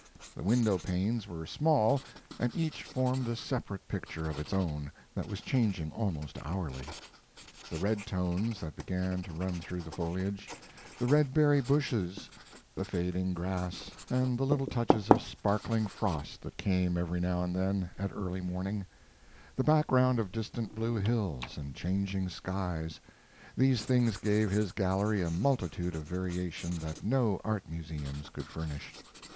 The window panes were small, and each formed a separate picture of its own that was changing almost hourly. The red tones that began to run through the foliage; the red berry bushes; the fading grass, and the little touches of sparkling frost that came every now and then at early morning; the background of distant blue hills and changing skies these things gave his gallery a multitude of variation that no art museums could furnish.